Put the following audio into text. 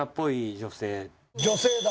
女性だ。